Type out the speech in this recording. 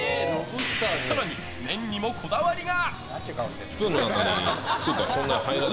更に、麺にもこだわりが。